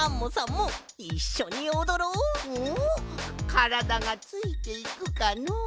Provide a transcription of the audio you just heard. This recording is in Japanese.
からだがついていくかのう？